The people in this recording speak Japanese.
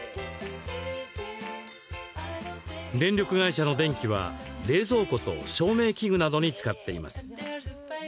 電力会社の電気は、冷蔵庫と照明器具などに使っています。